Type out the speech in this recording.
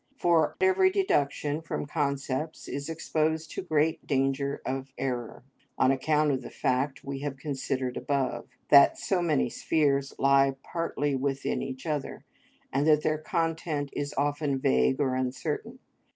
For every deduction from concepts is exposed to great danger of error, on account of the fact we have considered above, that so many spheres lie partly within each other, and that their content is often vague or uncertain.